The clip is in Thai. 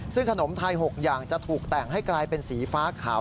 ซึ่งขนมไทย๖อย่างจะถูกแต่งให้กลายเป็นสีฟ้าขาว